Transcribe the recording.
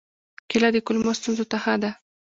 کېله د کولمو ستونزو ته ښه ده.